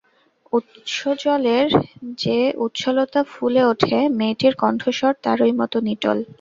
উৎসজলের যে উচ্ছলতা ফুলে ওঠে, মেয়েটির কণ্ঠস্বর তারই মতো নিটোল।